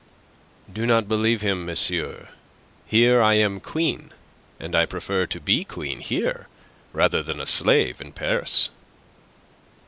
"Do not believe him, monsieur. Here I am queen, and I prefer to be queen here rather than a slave in Paris."